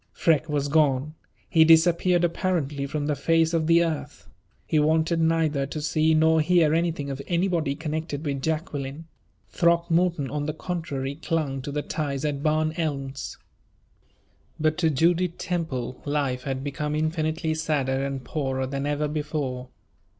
Freke was gone. He disappeared apparently from the face of the earth. He wanted neither to see nor hear anything of anybody connected with Jacqueline. Throckmorton, on the contrary, clung to the ties at Barn Elms. But to Judith Temple life had become infinitely sadder and poorer than ever before.